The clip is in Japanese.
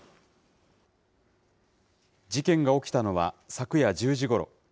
事件が起きたのは昨夜１０時ごろ。